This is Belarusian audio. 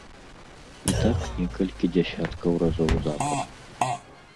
І так некалькі дзясяткаў разоў запар.